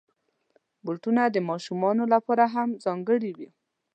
بوټونه د ماشومانو لپاره هم ځانګړي وي.